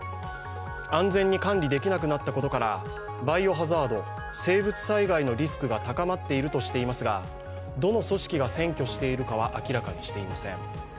安全に管理できなくなったことからバイオ・ハザード＝生物災害のリスクが高まっているとしていますがどの組織が占拠しているかは明らかにしていません。